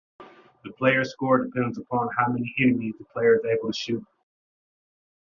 The player's score depends upon how many enemies the player is able to shoot.